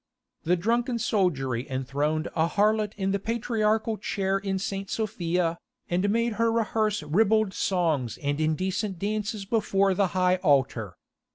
The drunken soldiery enthroned a harlot in the patriarchal chair in St. Sophia, and made her rehearse ribald songs and indecent dances before the high altar.